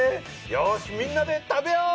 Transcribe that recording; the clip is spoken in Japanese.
よしみんなで食べよう！